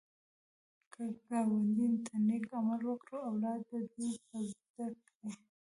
که ګاونډي ته نېک عمل وکړې، اولاد دې به زده کړي